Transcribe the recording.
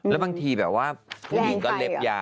แล้วบางทีแบบว่าผู้หญิงก็เล็บยา